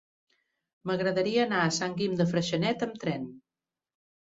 M'agradaria anar a Sant Guim de Freixenet amb tren.